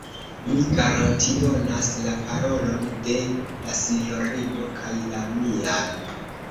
Mi garantidonas la parolon de la sinjorino kaj la mian.